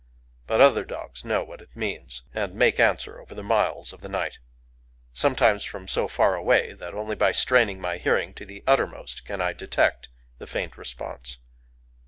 But other dogs know what it means, and make answer over the miles of the night,—sometimes from so far away that only by straining my hearing to the uttermost can I detect the faint response.